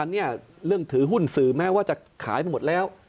อันนี้เรื่องถือหุ้นสื่อแม้ว่าจะขายมาหมดแล้ว